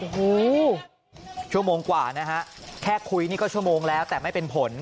โอ้โหชั่วโมงกว่านะฮะแค่คุยนี่ก็ชั่วโมงแล้วแต่ไม่เป็นผล